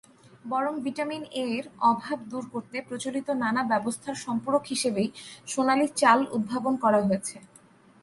বরং, ভিটামিন এ-র অভাব দূর করতে প্রচলিত নানা ব্যবস্থার সম্পূরক হিসেবেই সোনালী চাল উদ্ভাবন করা হয়েছে।